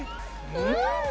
うん！